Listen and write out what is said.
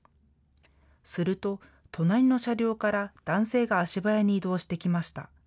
すると、隣の車両から男性が足早に移動してきました。